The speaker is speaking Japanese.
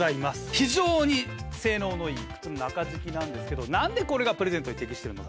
非常に性能のいい靴の中敷きなんですけど何でこれがプレゼントに適してるのか。